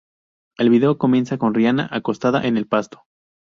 El video comienza con Rihanna acostada en el pasto.